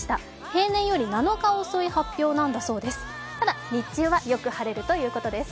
平年より７日遅い発表なんだそうです。